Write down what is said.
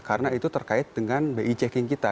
karena itu terkait dengan bi checking kita